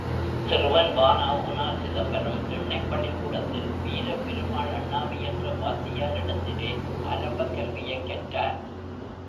சிறுவன் வ.உ.சிதம்பரம், திண்ணைப் பள்ளிக் கூடத்தில், வீரப்பெருமாள் அண்ணாவி என்ற வாத்தியாரிடத்திலே ஆரம்பக் கல்வியைக் கற்றார்.